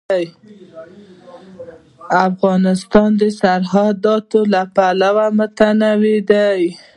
افغانستان د سرحدونه له پلوه متنوع دی.